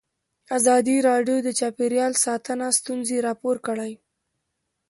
ازادي راډیو د چاپیریال ساتنه ستونزې راپور کړي.